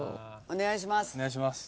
お願いします。